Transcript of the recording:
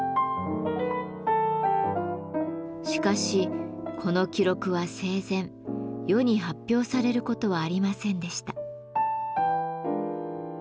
しかしこの記録は生前世に発表されることはありませんでした。